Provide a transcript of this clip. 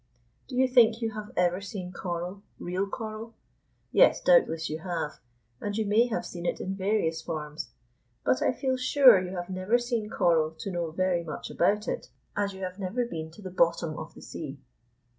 Do you think you have ever seen coral, real coral? Yes, doubtless you have, and you may have seen it in various forms. But I feel sure you have never seen coral to know very much about it, as you have never been to the bottom of the sea.